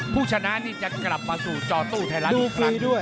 ผู้ชนะนี่จะกลับมาสู่จอตู้ไทยรัฐอีกครั้งด้วย